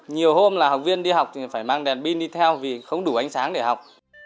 nhiều hôm là học viên đi học thì phải mang đèn pin đi theo vì không đủ ánh sáng để học